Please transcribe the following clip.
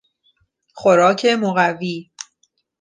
خوراک مقوی